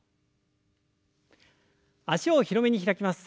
脚を広めに開きます。